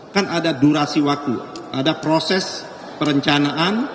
kan ada durasi waktu ada proses perencanaan